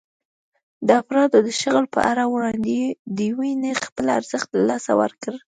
د افرادو د شغل په اړه وړاندوېنې خپل ارزښت له لاسه ورکړ.